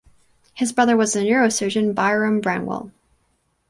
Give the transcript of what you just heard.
His brother was the neurosurgeon Byrom Bramwell.